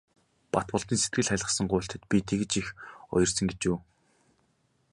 Батболдын сэтгэл хайлгасан гуйлтад би тэгж их уярсан гэж үү.